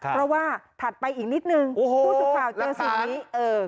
เพราะว่าถัดไปอีกนิดนึงผู้สื่อข่าวเจอสิ่งนี้